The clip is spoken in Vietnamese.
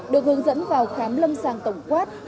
được hướng dẫn vào khám lâm sàng tổng quát